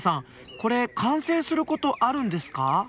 これ完成することあるんですか？